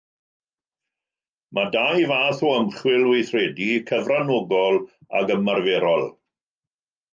Mae dau fath o ymchwil weithredu: cyfranogol ac ymarferol.